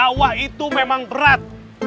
dakwah itu memang berat